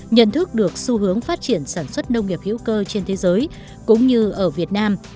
nhận thức được xu hướng phát triển sản xuất nông nghiệp hữu cơ trên thế giới cũng như ở việt nam